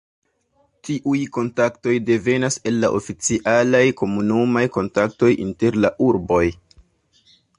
Tiuj kontaktoj devenas el la oficialaj komunumaj kontaktoj inter la urboj.